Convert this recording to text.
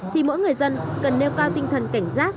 thì mỗi người dân cần nêu cao tinh thần cảnh giác